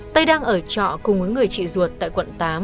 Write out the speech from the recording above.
tây đang ở trọ cùng với người chị ruột tại quận tám